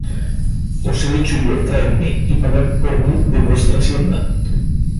¿Os he dicho yo: Traedme, Y pagad por mí de vuestra hacienda;